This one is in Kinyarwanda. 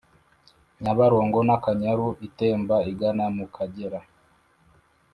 nyabarongo n'akanyaru itemba igana mu kagera.